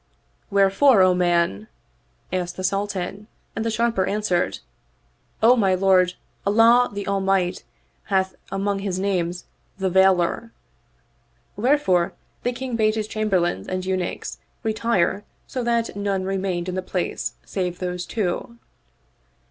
" Wherefore O man? asked the Sultan, and the Sharper answered, " O my lord, Allah of Allmight hath among His names ' The Veiler '"; wherefore the King bade his Chamberlains and Eunuchs retire so that none remained in the place save those two.